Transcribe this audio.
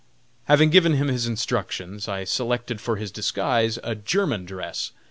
Having given him his instructions, I selected for his disguise a German dress.